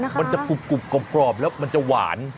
มันจะกรุบกรอบแล้วมันจะหวาน